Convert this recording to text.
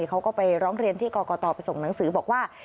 เขาก็ไปร้องเรียนที่กรกตไปส่งหนังสือบอกว่า